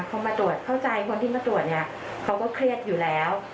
พอมาตรวจเข้าใจคนที่มาตรวจเนี่ยเขาก็เครียดอยู่แล้ว